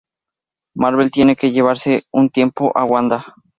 Marvel tiene que llevarse un tiempo a Wanda.